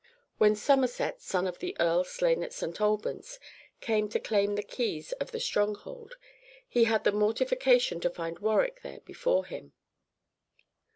When Somerset, son of the earl slain at St. Albans, came to claim the keys of the stronghold, he had the mortification to find Warwick there before him.